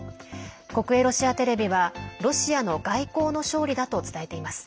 国営ロシアテレビはロシアの外交の勝利だと伝えています。